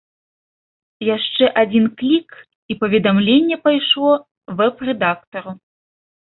Яшчэ адзін клік, і паведамленне пайшло вэб-рэдактару.